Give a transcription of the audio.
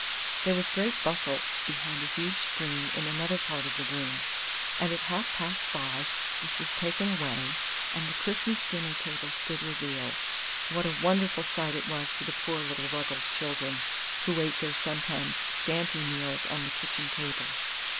There was great bustle behind a huge screen in another part of the room, and at half past five this was taken away, and the Christmas dinner table stood revealed. What a wonderful sight it was to the poor little Ruggles children, who ate their sometimes scanty meals on the kitchen table!